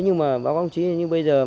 nhưng mà báo cáo đồng chí bây giờ